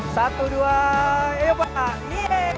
satu dua ayo pak